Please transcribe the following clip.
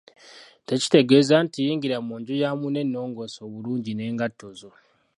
Tekitegeeza nti yingira mu nju ya munno ennongoose obulungi n’engatto zo.